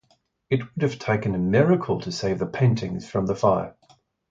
It would have taken a miracle to save the paintings from the fire.